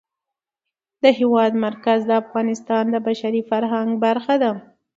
د هېواد مرکز د افغانستان د بشري فرهنګ برخه ده.